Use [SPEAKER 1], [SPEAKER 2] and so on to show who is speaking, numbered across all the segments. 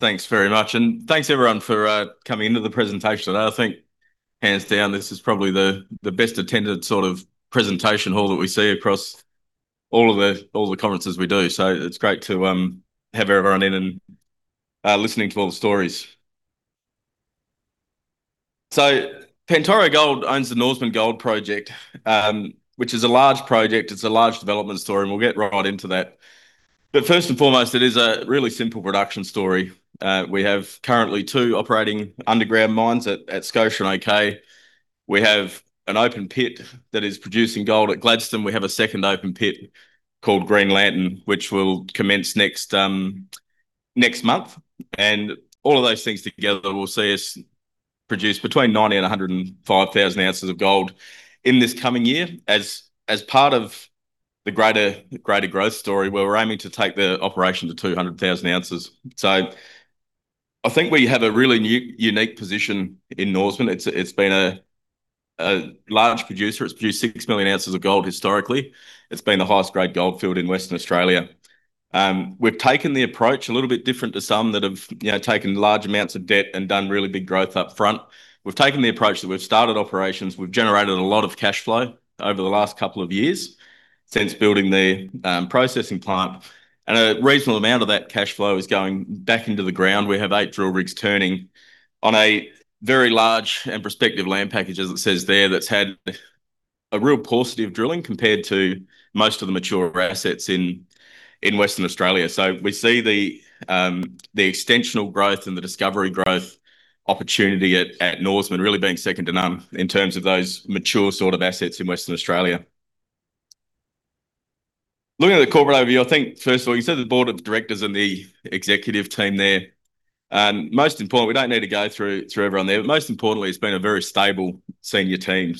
[SPEAKER 1] Thanks very much. Thanks everyone for coming into the presentation today. I think hands down, this is probably the best attended sort of presentation hall that we see across all the conferences we do. It's great to have everyone in and listening to all the stories. Pantoro Gold owns the Norseman Gold Project, which is a large project. It's a large development story. We'll get right into that. First and foremost, it is a really simple production story. We have currently two operating underground mines at Scotia and OK. We have an open pit that is producing gold at Gladstone. We have a second open pit called Green Lantern, which will commence next month. All of those things together will see us produce between 90 and 105,000 ounces of gold in this coming year, as part of the greater growth story where we're aiming to take the operation to 200,000 ounces. I think we have a really unique position in Norseman. It's been a large producer. It's produced 6 million ounces of gold historically. It's been the highest grade gold field in Western Australia. We've taken the approach a little bit different to some that have taken large amounts of debt and done really big growth up front. We've taken the approach that we've started operations, we've generated a lot of cash flow over the last couple of years since building the processing plant. A reasonable amount of that cash flow is going back into the ground. We have eight drill rigs turning on a very large and prospective land package, as it says there, that's had a real paucity of drilling compared to most of the mature assets in Western Australia. We see the extensional growth and the discovery growth opportunity at Norseman really being second to none in terms of those mature sort of assets in Western Australia. Looking at the corporate overview, I think first of all, you see the board of directors and the executive team there. Most important, we don't need to go through everyone there. Most importantly, it's been a very stable senior team.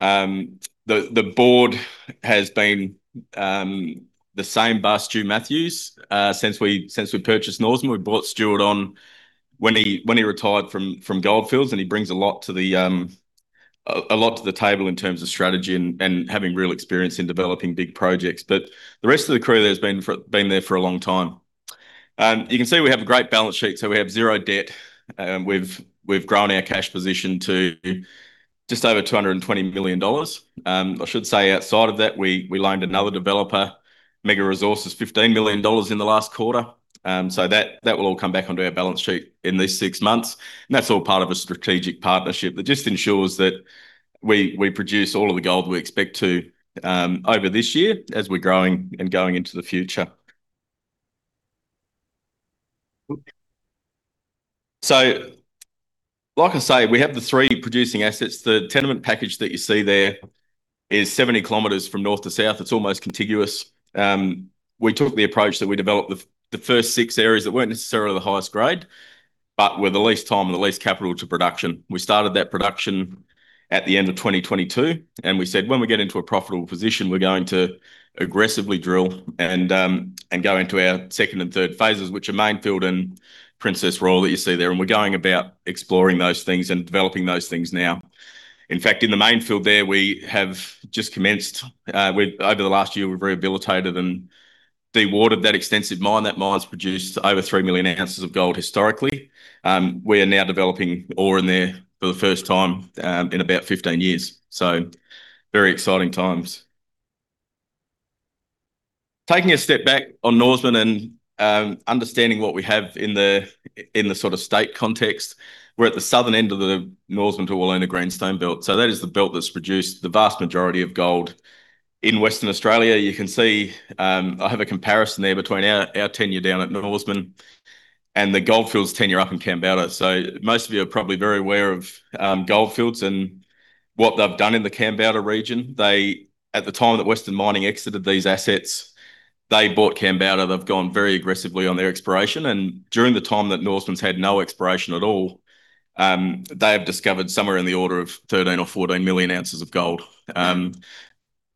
[SPEAKER 1] The board has been the same bar Stu Mathews. Since we purchased Norseman, we brought Stuart on when he retired from Gold Fields. He brings a lot to the table in terms of strategy and having real experience in developing big projects. The rest of the crew there has been there for a long time. You can see we have a great balance sheet. We have zero debt. We've grown our cash position to just over 220 million dollars. I should say outside of that, we loaned another developer, MEGA Resources, 15 million dollars in the last quarter. That will all come back onto our balance sheet in this six months. That's all part of a strategic partnership that just ensures that we produce all of the gold we expect to over this year as we're growing and going into the future. Like I say, we have the three producing assets. The tenement package that you see there is 70 kilometers from north to south. It's almost contiguous. We took the approach that we developed the first six areas that weren't necessarily the highest grade, but were the least time and the least capital to production. We started that production at the end of 2022, and we said, "When we get into a profitable position, we're going to aggressively drill and go into our second and third phases," which are Main Field and Princess Royal that you see there. We're going about exploring those things and developing those things now. In fact, in the Main Field there, we have just commenced. Over the last year, we've rehabilitated and dewatered that extensive mine. That mine's produced over 3 million ounces of gold historically. We are now developing ore in there for the first time in about 15 years, so very exciting times. Taking a step back on Norseman and understanding what we have in the sort of state context, we're at the southern end of the Norseman to Wiluna greenstone belt. That is the belt that's produced the vast majority of gold in Western Australia. You can see, I have a comparison there between our tenure down at Norseman and the Gold Fields tenure up in Kambalda. Most of you are probably very aware of Gold Fields and what they've done in the Kambalda region. At the time that Western Mining exited these assets, they bought Kambalda. They've gone very aggressively on their exploration, and during the time that Norseman's had no exploration at all. They have discovered somewhere in the order of 13 or 14 million ounces of gold.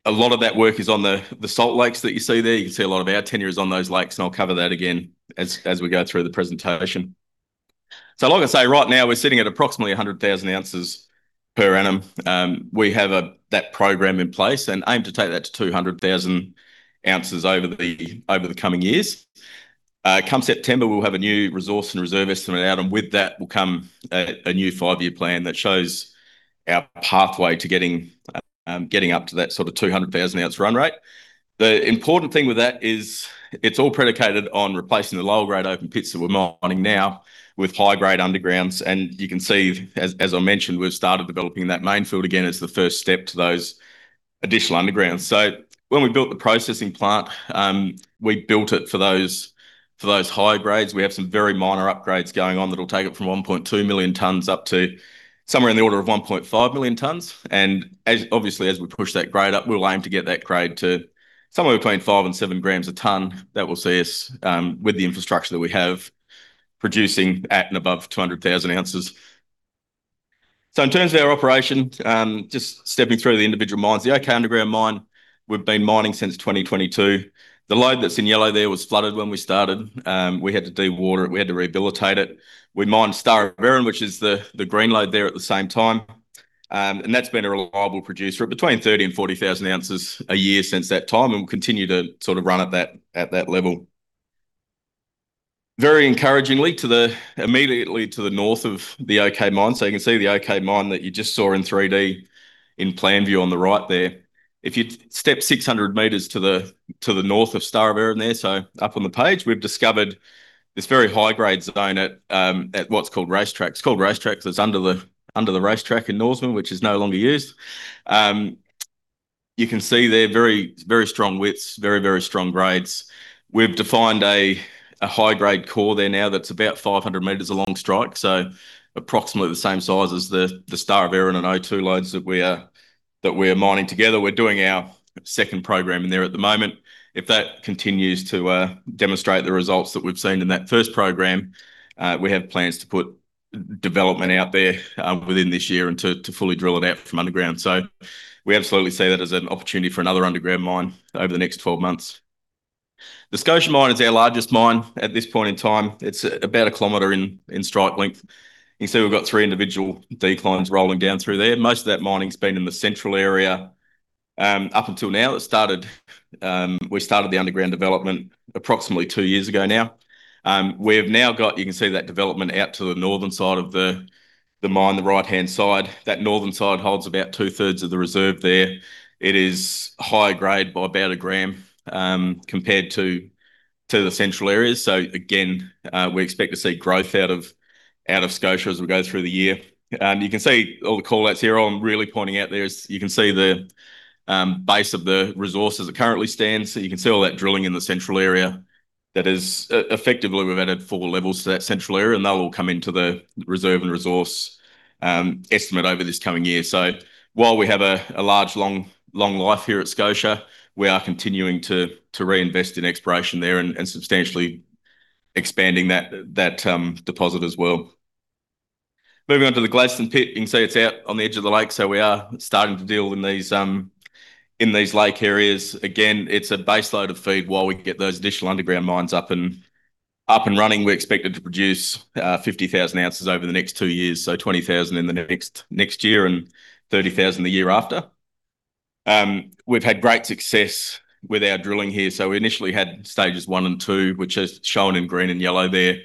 [SPEAKER 1] A lot of that work is on the salt lakes that you see there. You can see a lot of our tenure is on those lakes, and I'll cover that again as we go through the presentation. Like I say, right now, we're sitting at approximately 100,000 ounces per annum. We have that program in place and aim to take that to 200,000 ounces over the coming years. Come September, we'll have a new resource and reserve estimate out, and with that will come a new five-year plan that shows our pathway to getting up to that sort of 200,000 ounce run rate. The important thing with that is it's all predicated on replacing the lower grade open pits that we're mining now with high grade undergrounds. You can see, as I mentioned, we've started developing that Main Field again as the first step to those additional undergrounds. When we built the processing plant, we built it for those high grades. We have some very minor upgrades going on that'll take it from 1.2 million tonnes up to somewhere in the order of 1.5 million tonnes. Obviously, as we push that grade up, we'll aim to get that grade to somewhere between five and seven grams a tonne. That will see us, with the infrastructure that we have, producing at and above 200,000 ounces. In terms of our operation, just stepping through the individual mines. The OK Underground Mine, we've been mining since 2022. The load that's in yellow there was flooded when we started. We had to dewater it. We had to rehabilitate it. We mined Star of Erin, which is the green load there, at the same time. That's been a reliable producer at between 30,000 and 40,000 ounces a year since that time, and will continue to sort of run at that level. Very encouragingly, immediately to the north of the OK Underground Mine. You can see the OK Underground Mine that you just saw in 3D in plan view on the right there. If you step 600 meters to the north of Star of Erin there, up on the page, we've discovered this very high-grade zone at what's called Racetrack. It's called Racetrack because it's under the racetrack in Norseman, which is no longer used. You can see there very strong widths, very strong grades. We've defined a high-grade core there now that's about 500 meters along strike, approximately the same size as the Star of Erin and O2 lodes that we are mining together. We're doing our second program in there at the moment. If that continues to demonstrate the results that we've seen in that first program, we have plans to put development out there within this year and to fully drill it out from underground. We absolutely see that as an opportunity for another underground mine over the next 12 months. The Scotia Mine is our largest mine at this point in time. It's about a kilometer in strike length. You can see we've got three individual declines rolling down through there. Most of that mining's been in the central area, up until now. We started the underground development approximately two years ago now. We've now got, you can see that development out to the northern side of the mine, the right-hand side. That northern side holds about two-thirds of the reserve there. It is higher grade by about a gram, compared to the central areas. Again, we expect to see growth out of Scotia as we go through the year. You can see all the callouts here. All I'm really pointing out there is you can see the base of the resource as it currently stands. You can see all that drilling in the central area. That is, effectively we've added four levels to that central area, and they will come into the reserve and resource estimate over this coming year. While we have a large long life here at Scotia, we are continuing to reinvest in exploration there and substantially expanding that deposit as well. Moving on to the Gladstone pit. You can see it's out on the edge of the lake, we are starting to deal in these lake areas. Again, it's a base load of feed while we get those additional underground mines up and running. We expect it to produce 50,000 ounces over the next two years, 20,000 in the next year and 30,000 the year after. We've had great success with our drilling here. We initially had stages one and two, which is shown in green and yellow there,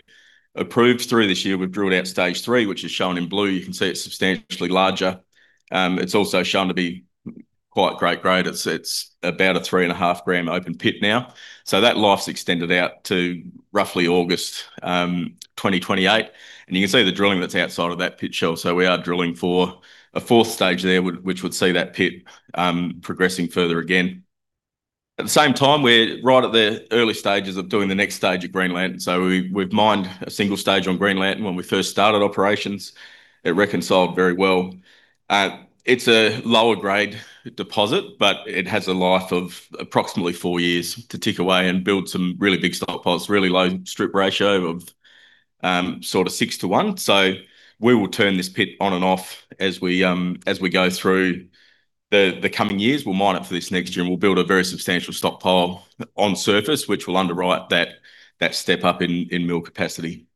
[SPEAKER 1] approved through this year. We've drilled out stage 3, which is shown in blue. You can see it's substantially larger. It's also shown to be quite great grade. It's about a 3.5 gram open pit now. That life's extended out to roughly August 2028. You can see the drilling that's outside of that pit shell. We are drilling for a fourth stage there, which would see that pit progressing further again. At the same time, we're right at the early stages of doing the next stage at Green Lantern. We've mined a single stage on Green Lantern when we first started operations. It reconciled very well. It's a lower grade deposit, but it has a life of approximately four years to tick away and build some really big stockpiles. Really low strip ratio of sort of 6 to 1. We will turn this pit on and off as we go through the coming years. We'll mine it for this next year, and we'll build a very substantial stockpile on surface, which will underwrite that step up in mill capacity.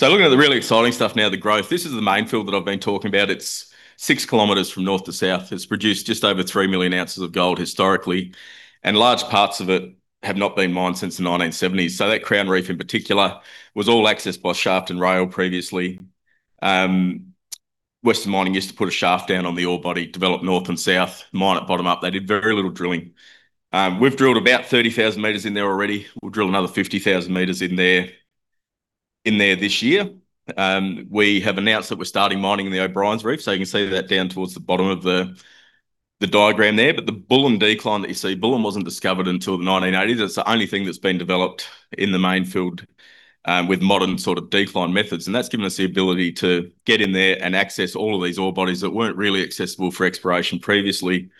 [SPEAKER 1] Looking at the really exciting stuff now, the growth. This is the main field that I've been talking about. It's six kilometers from north to south. It's produced just over three million ounces of gold historically, and large parts of it have not been mined since the 1970s. That Crown Reef in particular was all accessed by shaft and rail previously. Western Mining Corporation used to put a shaft down on the ore body, develop north and south, mine it bottom up. They did very little drilling. We've drilled about 30,000 meters in there already. We'll drill another 50,000 meters in there this year. We have announced that we're starting mining in the O'Briens Lode, you can see that down towards the bottom of the diagram there. The Bullen Decline that you see, Bullen wasn't discovered until the 1980s. It's the only thing that's been developed in the main field with modern decline methods. That's given us the ability to get in there and access all of these ore bodies that weren't really accessible for exploration previously.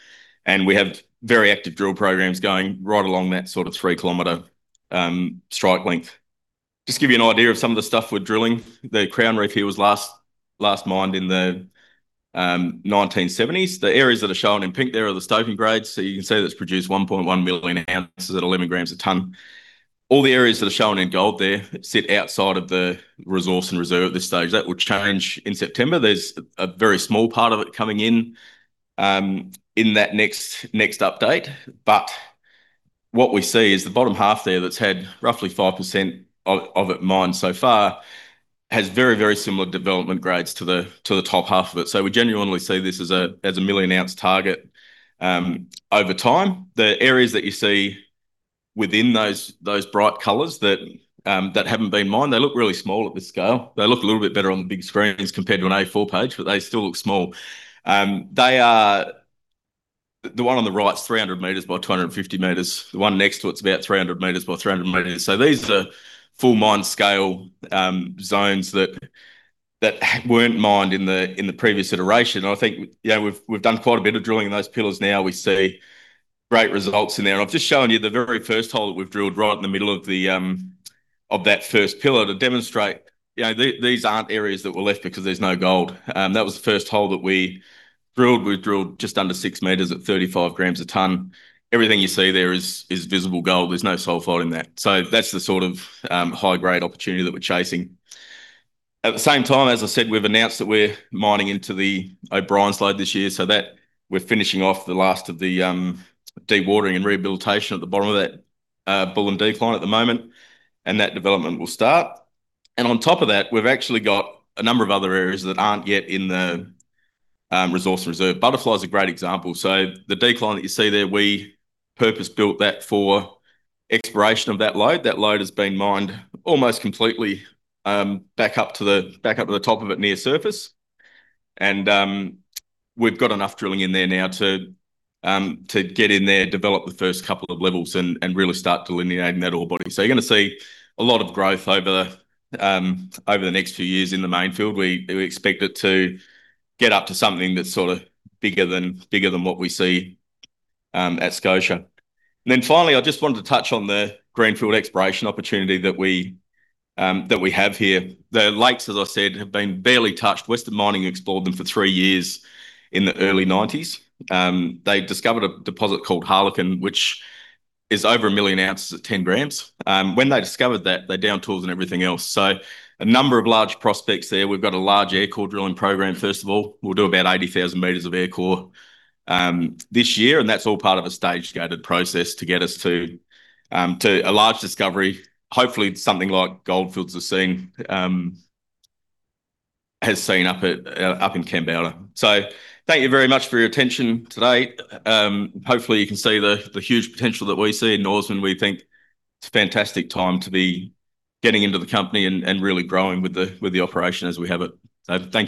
[SPEAKER 1] We have very active drill programs going right along that sort of three-kilometer strike length. Just to give you an idea of some of the stuff we're drilling. The Crown Reef here was last mined in the 1970s. The areas that are shown in pink there are the stoping grades. You can see that's produced 1.1 million ounces at 11 grams a ton. All the areas that are shown in gold there sit outside of the resource and reserve at this stage. That will change in September. There's a very small part of it coming in that next update. What we see is the bottom half there that's had roughly 5% of it mined so far has very similar development grades to the top half of it. We genuinely see this as a million-ounce target. Over time, the areas that you see within those bright colors that haven't been mined, they look really small at this scale. They look a little bit better on the big screens compared to an A4 page, but they still look small. The one on the right's 300 meters by 250 meters. The one next to it's about 300 meters by 300 meters. These are full mine-scale zones that weren't mined in the previous iteration. I think we've done quite a bit of drilling in those pillars now. We see great results in there. I'm just showing you the very first hole that we've drilled right in the middle of that first pillar to demonstrate these aren't areas that were left because there's no gold. That was the first hole that we drilled. We drilled just under six meters at 35 grams a ton. Everything you see there is visible gold. There's no sulfide in that. That's the sort of high-grade opportunity that we're chasing. At the same time, as I said, we've announced that we're mining into the O'Briens Lode this year, we're finishing off the last of the dewatering and rehabilitation at the bottom of that Bullen Decline at the moment, and that development will start. On top of that, we've actually got a number of other areas that aren't yet in the resource reserve. Butterfly's a great example. The decline that you see there, we purpose-built that for exploration of that lode. That lode has been mined almost completely back up to the top of it near surface. We've got enough drilling in there now to get in there, develop the first couple of levels and really start delineating that ore body. You're going to see a lot of growth over the next few years in the main field. We expect it to get up to something that's sort of bigger than what we see at Scotia. Finally, I just wanted to touch on the greenfield exploration opportunity that we have here. The lakes, as I said, have been barely touched. Western Mining explored them for three years in the early 1990s. They discovered a deposit called Harlequin, which is over 1 million ounces at 10 grams. When they discovered that, they downed tools and everything else. A number of large prospects there. We've got a large aircore drilling program, first of all. We'll do about 80,000 meters of aircore this year, and that's all part of a stage-gated process to get us to a large discovery. Hopefully, something like Gold Fields has seen up in Kambalda. Thank you very much for your attention today. Hopefully, you can see the huge potential that we see in Norseman. We think it's a fantastic time to be getting into the company and really growing with the operation as we have it. Thank you